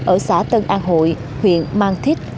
ở xã tân an hội huyện mang thích